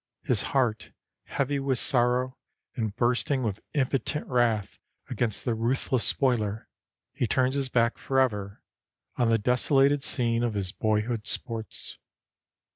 His heart heavy with sorrow and bursting with impotent wrath against the ruthless spoiler, he turns his back forever on the desolated scene of his boyhood's sports.